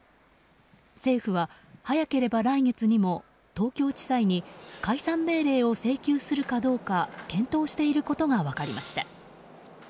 政府は、早ければ来月にも東京地裁に解散命令を請求するかどうか検討していることが分かりました。